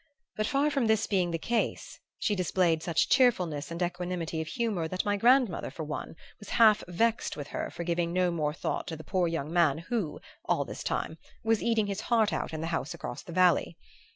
But far from this being the case, she displayed such cheerfulness and equanimity of humor that my grandmother, for one, was half vexed with her for giving no more thought to the poor young man who, all this time, was eating his heart out in the house across the valley.